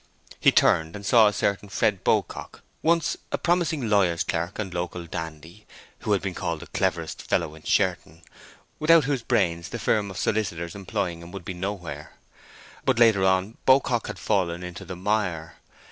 He turned and saw a certain Fred Beaucock—once a promising lawyer's clerk and local dandy, who had been called the cleverest fellow in Sherton, without whose brains the firm of solicitors employing him would be nowhere. But later on Beaucock had fallen into the mire.